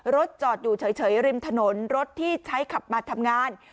รถจอดอยู่เฉยริมถนนรถที่ใช้ขับมาทำงาน